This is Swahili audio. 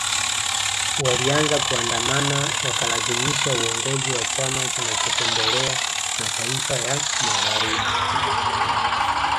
Walianza kuandamana wakalazimisha uongozi wa chama kinachopendelea mataifa ya Magharibi